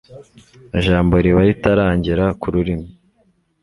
Ijambo riba ritarangera ku rurimi